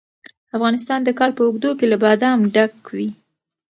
افغانستان د کال په اوږدو کې له بادام ډک وي.